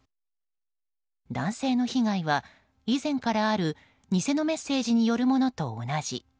男性の被害は、以前からある偽のメッセージによるものと同じ。